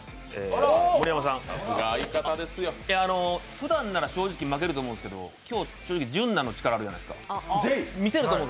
ふだんなら正直負けると思うんですけど、今日、正直純菜の力があるじゃないですか。